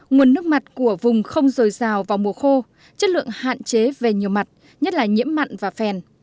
nguồn nước mặt của vùng không dồi dào vào mùa khô chất lượng hạn chế về nhiều mặt nhất là nhiễm mặn và phèn